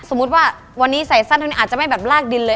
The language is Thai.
สมมุติว่าวันนี้ใส่สั้นเท่านี้อาจจะไม่แบบลากดินเลย